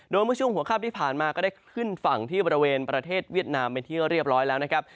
โดยเมื่อช่วงหัวข้ามที่ผ่านมาก็ได้ขึ้นฝั่งที่บริเวณประเทศเวียดนามเป็นที่เรียบร้อยแล้วนะครับ